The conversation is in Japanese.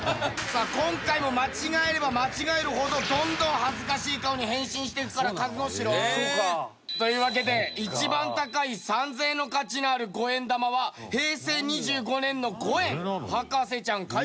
さあ今回も間違えれば間違えるほどどんどん恥ずかしい顔に変身していくから覚悟しろ！というわけで一番高い３０００円の価値のある５円玉は平成２５年の５円。